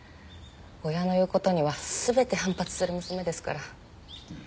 親の言う事には全て反発する娘ですから。